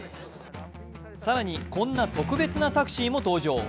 更に、こんな特別なタクシーも登場。